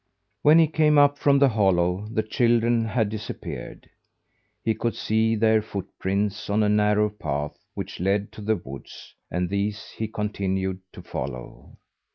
When he came up from the hollow the children had disappeared. He could see their footprints on a narrow path which led to the woods, and these he continued to follow.